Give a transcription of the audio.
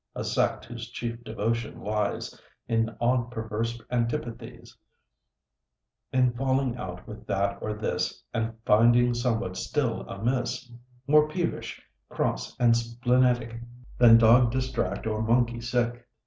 A sect whose chief devotion lies In odd perverse antipathies: In falling out with that or this, And finding somewhat still amiss: More peevish, cross, and splenetic, Than dog distract, or monkey sick.